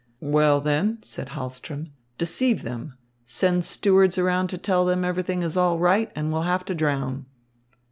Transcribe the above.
"Well, then," said Hahlström, "deceive them. Send stewards around to tell them everything is all right and we'll have to drown."